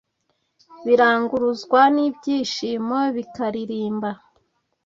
Biranguruzwa nibyishimo bikaririmba